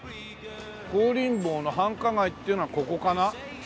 香林坊の繁華街っていうのはここかな？